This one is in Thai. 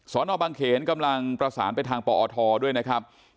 นบางเขนกำลังประสานไปทางปอทด้วยนะครับ